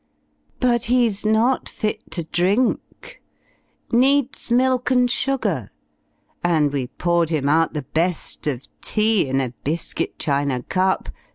But he*s not fit to drink. Needs milk and sugar, and we poured him out The bell of Tea in a biscuit china cup.